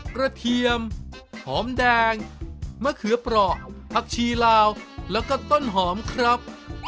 เทียมหอมแดงมะเขือเปราะผักชีลาวแล้วก็ต้นหอมครับ